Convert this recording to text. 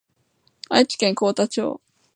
愛知県幸田町